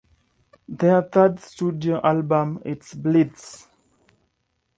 Their third studio album, It's Blitz!